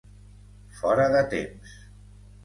Fora de temps.